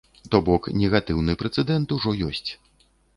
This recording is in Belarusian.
То бок, негатыўны прэцэдэнт ужо ёсць.